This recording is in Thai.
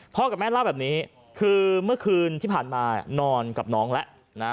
กับแม่เล่าแบบนี้คือเมื่อคืนที่ผ่านมานอนกับน้องแล้วนะ